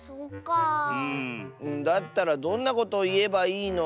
だったらどんなことをいえばいいの？